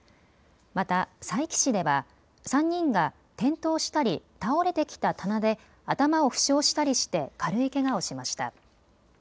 また佐伯市では３人が転倒したり、倒れてきた棚で頭を負傷したりして軽いけがをしました。